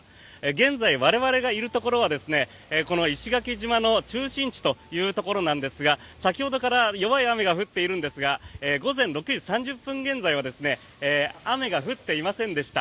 現在、我々がいるところはこの石垣島の中心地というところなんですが先ほどから弱い雨が降っているんですが午前６時３０分現在は雨が降っていませんでした。